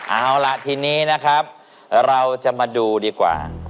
เอาล่ะทีนี้นะครับเราจะมาดูดีกว่า